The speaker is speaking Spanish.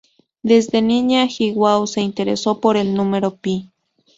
Desde niña, Iwao se interesó por el número pi.